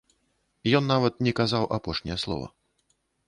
Ён нават не казаў апошняе слова.